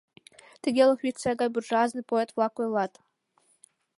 Тыге Лохвицкая гай буржуазный поэт-влак ойлат.